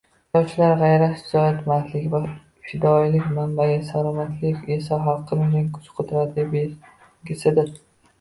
Yoshlar g‘ayrat-shijoat, mardlik va fidoyilik manbai, salomatlik esa xalqimizning kuch-qudrati belgisidir